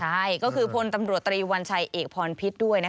ใช่ก็คือพลตำรวจตรีวัญชัยเอกพรพิษด้วย